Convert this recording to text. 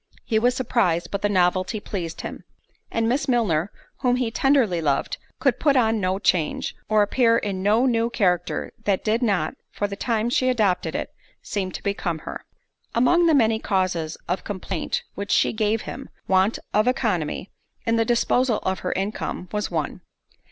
He was surprised, but the novelty pleased him. And Miss Milner, whom he tenderly loved, could put on no change, or appear in no new character that did not, for the time she adopted it, seem to become her. Among the many causes of complaint which she gave him, want of œconomy, in the disposal of her income, was one.